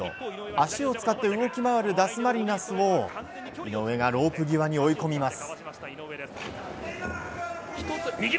足を使って動き回るダスマリナスを井上がロープ際に追い込みます。